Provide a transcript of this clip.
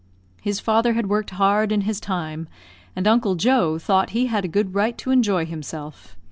His father had worked hard in his time, and Uncle Joe thought he had a good right to enjoy himself.